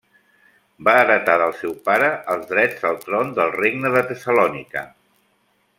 Va heretar del seu pare els drets al tron del Regne de Tessalònica.